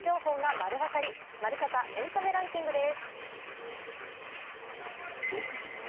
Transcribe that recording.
「まるサタエンタメランキング」です。